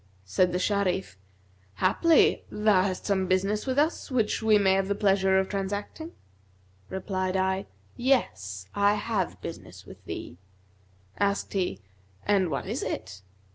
Said the Sharif, 'Haply, thou hast some business with us which we may have pleasure of transacting?' Replied I, 'Yes, I have business with thee.' Asked he, 'And what is it?'